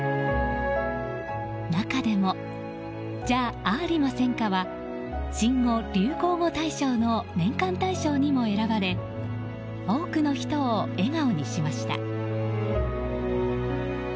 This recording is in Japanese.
中でも「じゃありませんか」は新語・流行語大賞の年間大賞にも選ばれ多くの人を笑顔にしました。